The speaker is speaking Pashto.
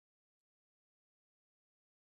ځمکه د مقناطیس په شان کار کوي.